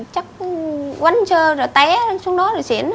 chắc quánh trơ rồi té xuống đó rồi xỉn